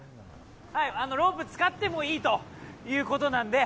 ロープ使ってもいいということなんで。